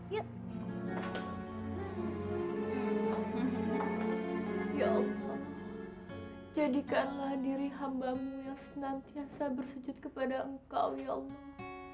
ya allah jadikanlah diri hambamu yang senantiasa bersujud kepada engkau ya allah